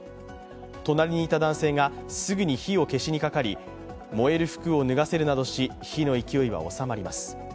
隣にいた男性がすぐに火を消しにかかり、燃える服を脱がせるなどし火の勢いは収まります。